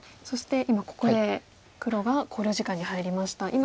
そして今ここで黒が考慮時間に入りました。